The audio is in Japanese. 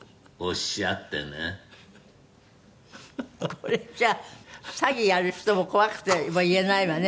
これじゃ詐欺やる人も怖くて言えないわね